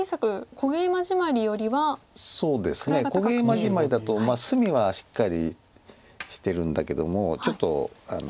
小ゲイマジマリだと隅はしっかりしてるんだけどもちょっと堅すぎるために。